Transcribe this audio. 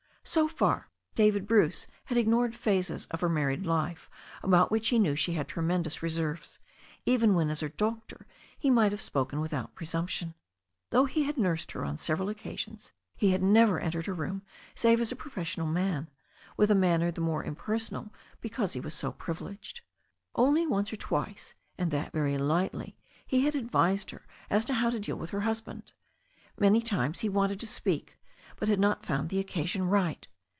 So far David Bruce had ignored phases of her married life about which he knew she had tremendous reserves, even when, as her doctor, he might have spoken without presumption. Though he had nursed her on several oc casions, he had never entered her room save as a profes sional man, with a manner the more impersonal because he was so privileged. Only once or twice, and that very lightly, had he advised her as to how to deal with her husband. Many times he had wanted to speak, but had not fotmd the occasion right.